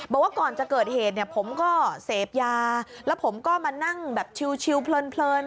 บอกว่าก่อนจะเกิดเหตุเนี่ยผมก็เสพยาแล้วผมก็มานั่งแบบชิวเพลิน